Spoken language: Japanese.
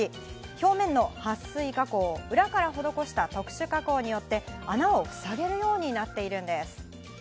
表面の撥水加工を裏から施した特殊加工によって穴をふさげるようになっているんです。